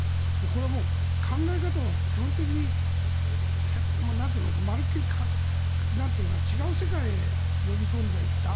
これはもう、考え方は基本的にまるっきり違う世界へ呼び込んでいった。